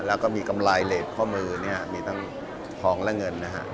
แล้วก็มีกำไรเหล็ดข้อมือมีทั้งทองและเงินนะครับ